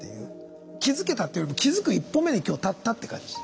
気づけたっていうより気づく一歩目に今日立ったって感じ。